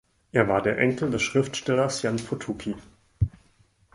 Er war der Enkel des Schriftstellers Jan Potocki.